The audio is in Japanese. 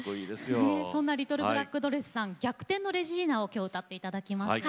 リトルブラックドレスさんには「逆転のレジーナ」を歌っていただきます。